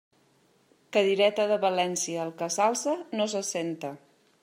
Cadireta de València, el que s'alça no s'assenta.